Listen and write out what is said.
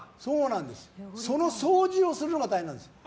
その掃除をするのが大変なんです。